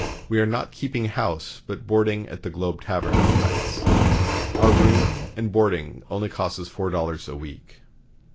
"We are not keeping house, but boarding at the Globe tavern," he writes. "Our room ... and boarding only cost us four dollars a week."